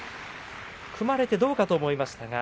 組まれてどうかと思いました。